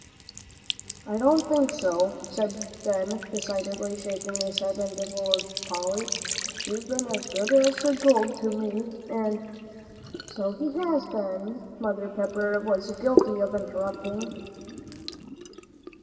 "I don't think so," said Ben, decidedly, shaking his head in disapproval of Polly; "he's been as good as gold to me, and " "So he has, Ben," Mother Pepper was guilty of interrupting.